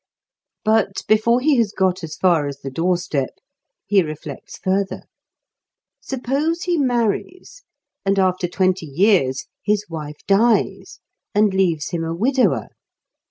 But before he has got as far as the doorstep he reflects further. Suppose he marries, and after twenty years his wife dies and leaves him a widower!